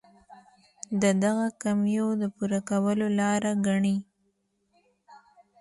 د دغو کمیو د پوره کولو لاره ګڼي.